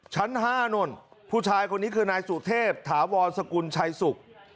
ชั้น๕นู่นผู้ชายคนนี้คือนายสุเทพถาวรสกุลชัยศุกร์